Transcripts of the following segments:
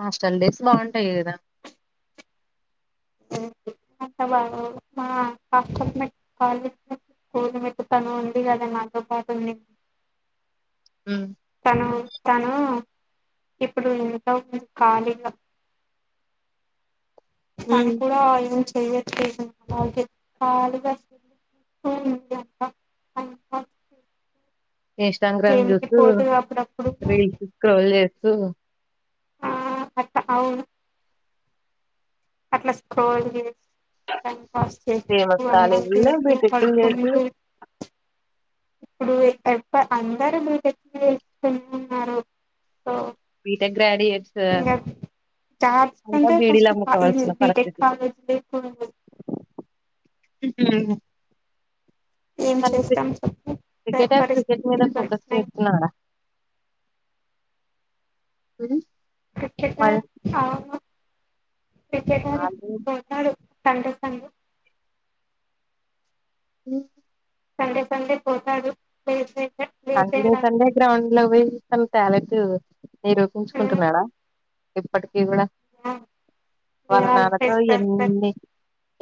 Hostel days బాగుంటాయి కదా [inaudible] hostel mate college mate తను ఉంది కదా నాతో పాటి ఉనింది తను త హ్మ్ ఇప్పుడు ఎంతంది ఖాళీగా తను ఉమ్ కూడా ఎమ్ చే ఎమ్ చేయలేదు [unintelligible] ఖాళీగా సెల్ చూస్తూ ఉంది అంట [unintelligible] ఇన్స్టాగ్రామ్ చేనికి చూస్తూ పోతది అప్పుడప్పుడు రీల్స్ స్క్రోల్ చేస్తూ ఆ అట్లా అవును అట్లా స్క్రోల్ చేస్ ఫస్ట్ ఫేమస్ నువ్వు అన్నం కాలేజీల్లో తినేసి బీటెక్ చేసి పడుకోనింటే ఇప్పుడు ఎప్ప ఎప్ప అందరు బీటెక్ లే చేస్తున్నారు సో బీటెక్ గ్రాడ్యుయేట్స్ ఇంగెం జాబ్స్ అంతా కంటే బీడీలు అమ్ముకోవాల్సిన బీటెక్ పరిస్థితి కాలేజెస్ ఎక్కువ ఉన్నాయి కానీ చెప్పు క్రికెట్ ఆ క్రికెట్ పరిస్థితులు మీద ఇట్లా ఫోకస్ వచ్చినాయి చేస్తున్నడా అ గుచ్చుతారు చానా [unintelligible] ఆలు పోతాడు సంటే పండు హ్మ్ సండే సండే పోతాడు లేట్ గా సండే సండే గ్రౌండ్ లో పోయి తన టాలెంటూ నిరూపించుకుంటున్నాడా ఇప్పుడు ఈ కూడా వాళ్ళ నాన్న తో ఎన్ని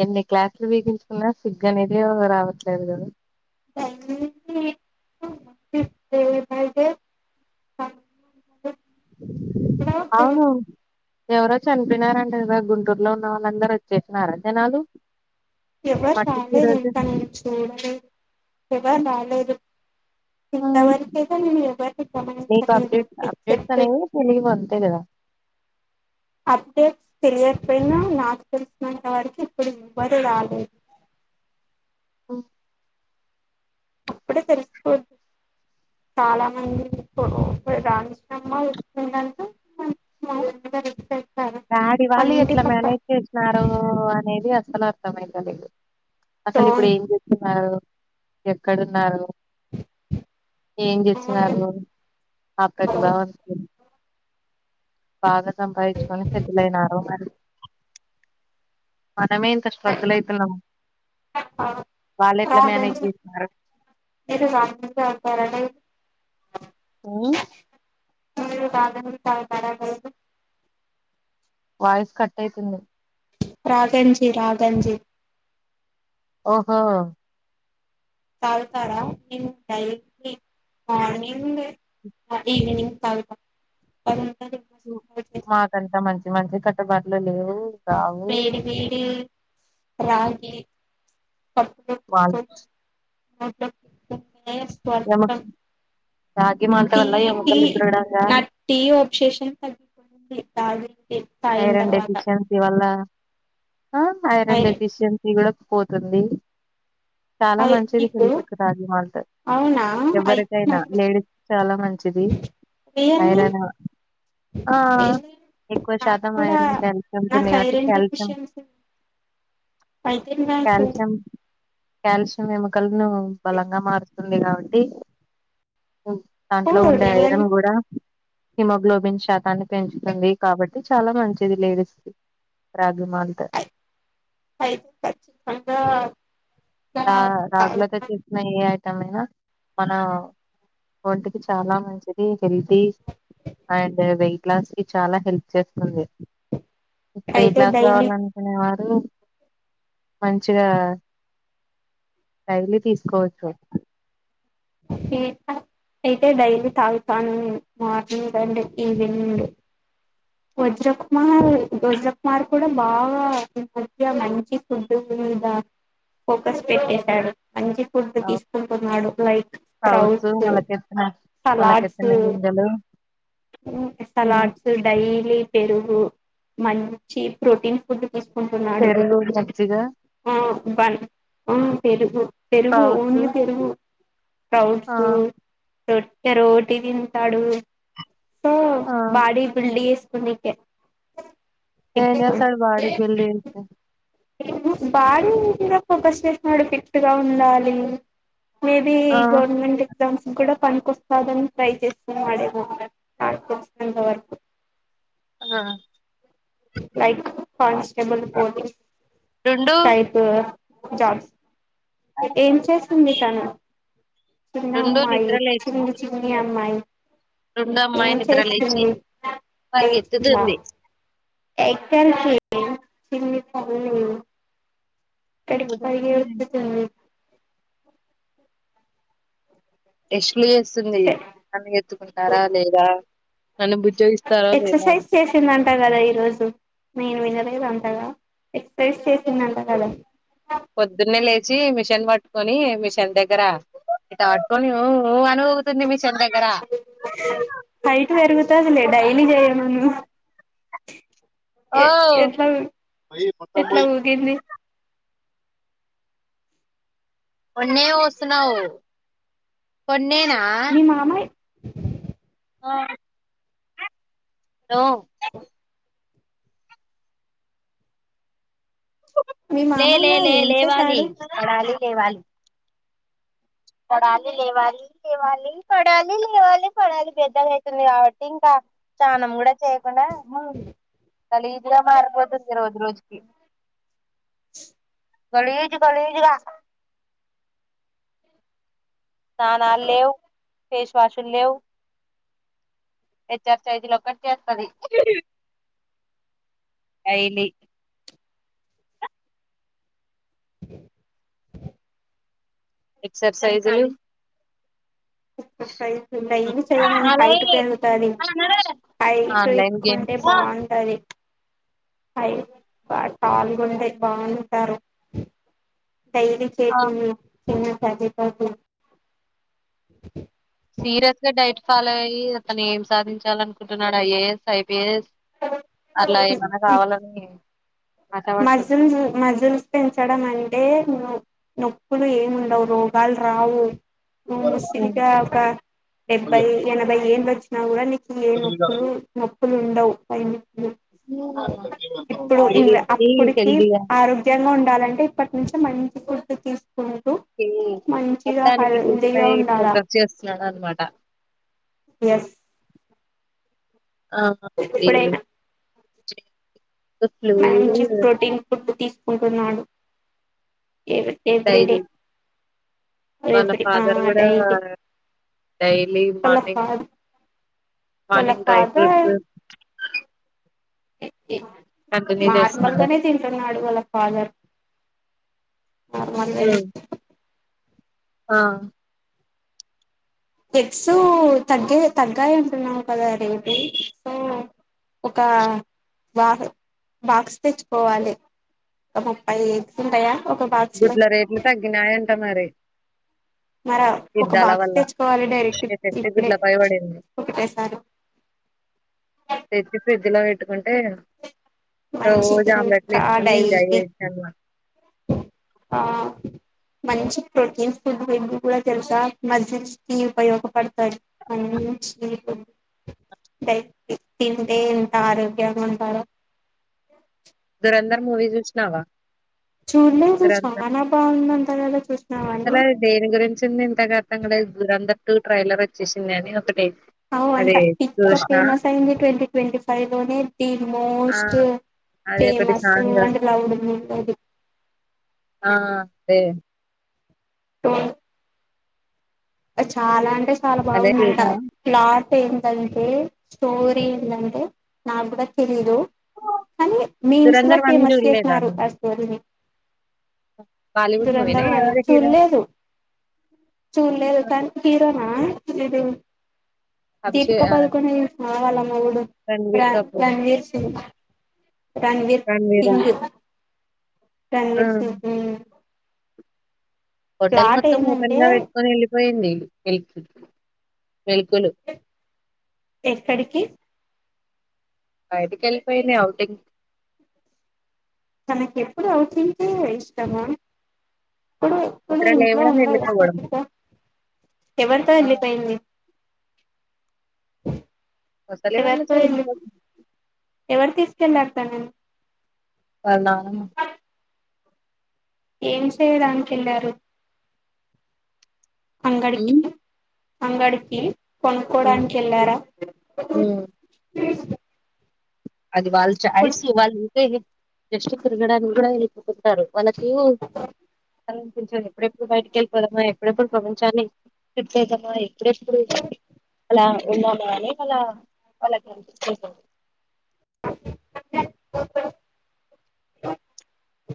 ఎన్ని క్లాసులు పిగించుకున్నా సిగ్ అనేది రావట్లేదు కదా టైం లిమిట్ ను ఇప్పు రేపు అయితే [unintelligible] అవును ఎవరో చనిపోయినారు అంట కదా గుంటూరులో ఉన్న వాళ్ళందరూ వచ్చేసినారా జనాలు ఎవరు మట్టికి ఈ రాలేదు రోజు ఇంకా నేను చూడలేదు ఎవరు రాలేదు ఇంతవరకుతె నేను ఎవరి ని మీకు అప్డేట్ అప్డేట్స్ అనేవి తెలియవు అంతే కదా అప్డేట్స్ తెలియకపోయినా నాకు తెలిసినంత వరకు ఇప్పుడు ఎవ్వరు రాలేదు ఓ అప్పుడే తెలుసుకోద్దు చాలా మంది రాినమ్మ వచ్చ మా [unintelligible] డాడీ వాళ్ళు ఎట్లా మేనేజ్ చేసినారో అనేది అస్సల అర్థమైతలేదు అసలు ఇప్పుడు డోంట్ ఏం చెస్తున్నారు ఎక్కడున్నారు ఏం చేస్తున్నారు ఆ ప్రతిభా బాగా సంపాదించుకొని సెటిల్ అయినారో మరి మనమే ఇంత స్ట్రగుల్ అయితున్నాము వాళ్ళు ఎట్లా మేనేజ్ రాగంజి చేస్తున్నారు మీరు రాగంజి తాగుతారా లేదు [unintelligible] వాయిస్ కట్ అయితుంది రాఘంజీ రాఘంజీ ఒహో తగుతారా నెను డైలీ మార్నింగ్ ఈవినింగ్ తాగుతా ఉంటది మాకంతా మంచి మంచి కట్టుబాట్లు లేవు రావు వేడి వేడి రాగి ప వాల్ ఓక [unintelligible] ఎమ నయస్వర్థం రాగి మంట టీ వల్ల టీ ఎముకలు దృఢంగా నా టీ ఆబ్సేషన్ తగ్గిపోయింది తా ఐరన్ డెఫిషియన్సీ వల్ల ఆ ఐరన్ అయి డఫిషియన్సీ గుడ పోతుంది చాలా అయి మంచిది నీకు హెల్త్ కి రాగి మాల్ట్ అవునా అయితే ఎవరికైనా నాకు లేడీస్ కి చాలా మంచి చేసింది రియల్లీ ఐరెన్ రియల్లీ ఎక్కువ ఎక్కువ నాకు శాతం కూడా ఐరన్ కాల్షియం ఉంటుంది నాకు కాబట్టి ఐరన్ కాల్షియం డెఫిషియన్సీ అయితే నాకు కాల్షియం కాల్షియం ఎమకల్ నువు బలంగా మారు ఉంటుంది కాబట్టి దాంట్లో ఉండే ఐరన్ రిజల్ట్ కూడా హిమోగ్లోబిన్ శాతాన్ని పెంచుతుంది కాబట్టి చాలా మంచిది లేడీస్ కి మాల్ట్ కచ్చితంగా ఆ రాగులైతే తెచ్చిన ఐట అయినా మన ఒంటికి చాలా మంచి హెల్త్య్ అండ్ వెయిట్ లాస్ కి చాలా హెల్ప్ చేస్తుంది వెయిట్ అయితే లాస్ డైలీ కావాలనుకునే వాళ్ళు మంచిదే కదా డైలీ తీసుకోవచ్చు అయితే డైలీ తాగుతాను morning and evening Vajrakumar Vajrakumar కూడా బాగా ఈ మధ్య మంచి ఫుడ్ మీద ఫోకస్ పెట్టేశాడు మంచి ఫుడ్ తీసుకుంటున్నాడు లైక్ స్ప్రౌట్స్ సలాడ్స్ మొలకెత్తిన గింజలు సలాడ్స్ డైలీ పెరుగు మంచి ప్రోటీన్ ఫుడ్డు తీసుకుంటున్నాడు పెరుగు మజ్జిగ పెరుగు పెరుగు స్ప్రౌట్స్ ఓన్లీ పెరుగు ఆ స్కౌట్స్ రొట్ట రోటి తింటాడు సో ఆ బాడీ ఎస్కునేకే ఎంజేస్తాడు బాడీబిల్డింగ్ అంటే బాడీ మీద ఫోకస్ చేసినాడు ఫిట్గా ఉండాలి మేబీ ఆ ఈ గవర్నమెంట్ ఎగ్జామ్స్ కూడా పనికొస్తా దాని ఫ్రై చేస్కునేవాడేమో వాడికి వచ్చినంత వరకు ఆ లైక్ [unintelligible] బల్ పోడీ రెండు టైపు జాబ్స్ ఏం చేస్తుంది తను చిన్న రెండు అమ్మాయి చిన్ని చిన్న అమ్మాయి రెండొ ఏం అమ్మాయి నిద్ర లేచి చేస్తుంది లేచిందా పరిగెత్తుతుంది [unintelligible] చిన్ని తల్లి కడి పరుగేట్టుతుంది ఎష్ ప్లేసుంది నన్ను ఎత్తుకుంటారా? లేదా. నన్ను బుజ్జోగిస్తారా లేదా ట కదా ఈ రోజు నేను వినలేదు అంతగా ఎక్ససైజ్ చేసింది అంట కదా. పొద్దున్నే లేచి మిషన్ పట్టుకొని మిషన్ దగ్గర ఇట పట్టుకొని ఉ ఉ అన్ హైట్ పెరుగుతదిలే డైలీ చేయమను ఎ ఓ ఎట్లా ఊగి ఎట్లా ఊగింది? ఉన్నే వొస్తున్నవ్ కొన్ నేనా మీ మామయ్య ఆ నో మీ లే లే మామయ్య లే ఏం లేవాలి చేశాడు పడాలి లే వాలి పడాలి లేవాలి లేవాలి పడాలి లేవాలి పడాలి పెద్దగా అవుతుంది కాబట్టి ఇంకా చానా మూడచే కుండా గలీజ్ గా మారిపోతుంది రోజు రోజు కి గలీజ్ గలీజ్ గా తానాల్ లేేవు ఫేష్ వాషుల్ లేవు హెచ్ఆర్ సైగిల్ ఒక్కట్ చేస్తది డైలీ ఎక్సర్సైజ్ ఎక్సర్సైజ్ డైలీ చెయ్యమను హైట్ పెరుగుతది. హైట్ ఆన్లైన్ ఎక్కుంటే గేమ్స్ బాగుంటది. హై బా టాల్ గుంటే బాగుంటారు. డైలీ చేపియ్యూ కింద పడి పడి సీరియస్ గా డైట్ ఫాలో అయ్యి అతను ఏం సాధించాలనుకుంటున్నాడు. ఐఏఎస్, ఐపీఎస్ అట్లా ఏమన్నా కావాలని మజిల్స్ మజిల్స్ పెంచడం అని టే నొప్ నొప్పులు ఏం ఉండవు రోగాలు రావు. నూ ముసిలిగా ఆశపడుతున్నాడా ఒక డెబ్బై ఎనభై ఏన్లూ వచ్ నా కూడా నిక్ కి ఏ నొప్పులు నొప్పులు ఉండవు. పైన్ది అడిగి ఇప్పుడికి ఆరోగ్యంగ ఉండాలంటే ఇప్పుడు టి నుంచె మంచి ఫుడ్ తీన్ కి మొత్తానికి హెల్త్ పై హెల్దీగా ఉండాలా ఫోకస్ చేస్తున్నాడు అనమాట ఎస్ ఇప్పుడైనా అవునండ మంచి ప్రోటీన్ ఫుడ్ తీస కొంటున్నాడు ఇకా ఎవ్రీడే డైలీ వాళ్ళ ఎవ్రీ ఆ ఫాదర్ కూడా డైలీ డైలీ వాళ్ళ మార్నింగ్ ఫా వాళ్ళ మార్నింగ్ డ్రై ఫ్రూట్స్ ఫాదర్ ఎ ఏ కంటిన్యూ చేస్తున్నాడు మార్మల్గానే తింటున్నాడు వాళ్ళ ఫాదర్ అవున్లె ఆ ఎగ్స్ తగ్గ తగ్గాయి ఉంటున్నాము కదా రేటు సో ఒక బా బాక్స్ తెచ్చుకోవాలె ఒక ముప్పై ఎగ్స్ ఉంటయా గుడ్ల రేట్లు తగ్గినాయంట మరి మరి ఒక యుద్ధాల బాక్స్ వల్ల తెచ్చుకోవాలె డైరెక్ట్ ఎఫెక్ట్ ఇప్పుడే గుడ్లపై పడింది ఒకటే సారి ఇందులో ఎట్టుకుంటే మంచిది జాంబలేట్లి ఇంకా కొనీ ఎన్ జాయ్ డైలీ జేస్తున్నాడన మాట ఆ మంచి ప్రోటీన్స్ ఫుడ్ ఇ కూడా తెలుసా మజిస్ి ఉపయోగపడతారు మంచి ై తింటే ఎంత ఆరోగ్యంగా ఉంటారో ంద మూవీ జూసినావ చూడ్లేదు చాన బాగుందంటగా అసలు చూసినావాన్ని అది దేని కుట్టూ ట్రైలర్ వచ్చేసింది అని ఒకటి అవు అంట అదే పిక్చ చూసినా ఫేమస్ అయింది ట్వంటీ ట్వంటీ ఫైవ్ లోనే ది ఆ మోస్ట్ అదే ఒకటి ఫేమస్ సాంగ్ వడ్నికి లవ్ ఉడుది ఆ డె తొ చాల అంటే చాల అదే బాగుందంట చూసా క్లాత్ ఏంటంటే స్టోరీ ఏంటంటే నాక్ కూడా తెలీదు కానీ మీమ్స్ లో దురంధర్ వన్ ఫేమస్ చూడలేదా చేసినారు నువ్వు అ స్టోరీని బాలీవుడ్ మూవీనా దురంధర్ వన్ ఎవరు హీరో చూల్లేదు చూల్లేదు. హీరో నా ఇది అభిషే దీపిక ఆ పదుకొనే వాల మొగుడు ర రణ్వీర్ కపూర్ రణ్వీర్ సింగ్ రణ్వీర్ రణ్వీరా సింగ్ ఆ రణ్వీర్ సింగ్ హోటల్ ప్లాట్ మొత్తం ఓపెన్ ఏంటంటే గా పెట్టుకొని వెళ్లి పోయింది వెల్కులు ఎక్కడికి బయటికి వెళ్ళిపోయింది ఔటింగ్. ఆమెకి ఎప్పుడు ఔటింగే ఇష్టమా ఎప్పుడు ఎప్పుడు నిద్ర ఇంట్లో లేవడం ఉండదు అసలు వెళ్ళిపోవడం తెలుసా ఎవరితో ఆ వెళ్ళిపోయింది వస్తలేవు ఎవరితో [unintelligible] వెళ్ళి ఇంట్లోకి ఎవరు తీసుకెళ్లారు తనని వాళ్ల నాన్న ఏం చేయడానికి వెళ్ళారు. అంగడికి ఉమ్ అంగడికి ఉమ్ కొనుక్కోడానికి వెళ్లారా. ఉమ్ అది వాళ్ళ చాయిస్ వాళ్ళు లేదు జస్ట్ తిరగాడానికి కూడా [inaudible] అంటరు వాళ్లకు అనిపించదు. ఎప్పుడెప్పుడు బయటికి వెళ్ళిపోదామా, ఎప్పుడెప్పుడు ప్రపంచాన్ని చుట్టేద్దామా, ఎప్పుడెప్పుడు అలా ఉందామా అని వాళ్ల వాళ్ళకు అనిపిస్తుంటది.